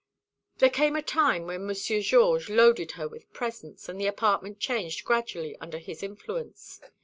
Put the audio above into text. "There came a time when Monsieur Georges loaded her with presents, and the apartment changed gradually under his influence.